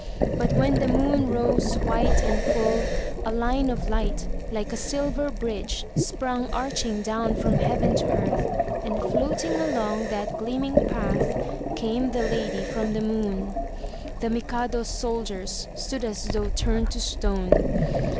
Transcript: But when the moon rose white and full, a line of light like a silver bridge sprung arching down from heaven to earth and floating along that gleaming path came the Lady from the Moon. The Mikadoes soldiers stood as though turned to stone.